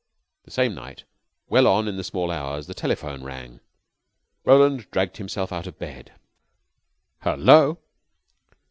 The same night, well on in the small hours, the telephone rang. Roland dragged himself out of bed. "Hullo?"